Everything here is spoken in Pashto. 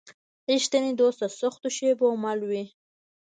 رښتینی دوست د سختو شېبو مل وي.